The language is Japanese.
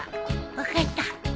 分かった。